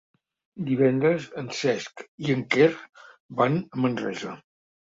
Divendres en Cesc i en Quer van a Manresa.